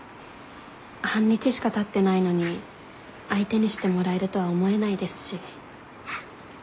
半日しかたってないのに相手にしてもらえるとは思えないですし。